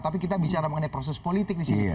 tapi kita bicara mengenai proses politik disini